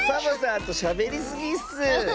あとしゃべりすぎッス！